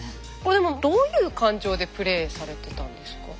でもどういう感情でプレーされてたんですか？